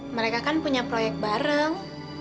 mereka kan punya proyek bareng